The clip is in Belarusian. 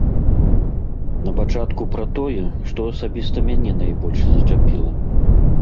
Напачатку пра тое, што асабіста мяне найбольш зачапіла.